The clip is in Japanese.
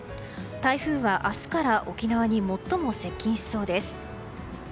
台風は明日から沖縄に最も接近しそうです。